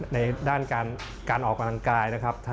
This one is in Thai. ในด้านการออกกำลังกายนะครับ